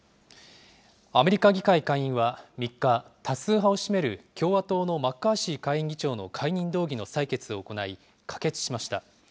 アメリカ議会下院は３日、多数派を占める共和党のマッカーシー下院議長の解任動議の採決を行い、可決しました。